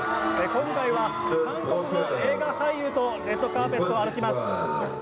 今回は韓国の映画俳優とレッドカーペットを歩きます。